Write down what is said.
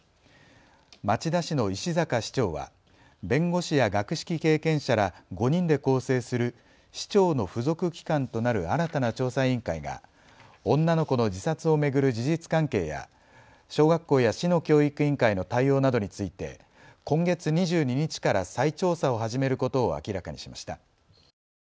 町田市の石阪市長は弁護士や学識経験者ら５人で構成する市長の付属機関となる新たな調査委員会が女の子の自殺を巡る事実関係や小学校や市の教育委員会の対応などについて今月２２日から再調査を始めることを明らかにしました。